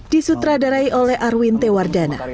disutradarai oleh arwinte wardana